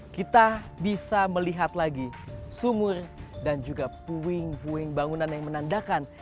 kita bisa melihat lagi sumur dan juga puing puing bangunan yang menandakan